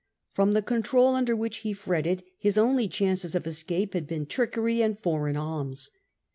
From the control under which he fretted his only chances of escape had been trickery and foreign alms.